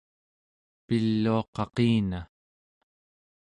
piluaqaqina!